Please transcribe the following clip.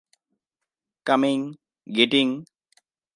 Coming, getting.